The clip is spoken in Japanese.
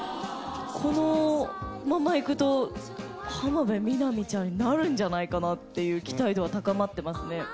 このままいくと浜辺美波ちゃんになるんじゃないかなって期待度は高まってますね。